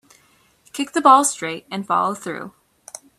Kick the ball straight and follow through.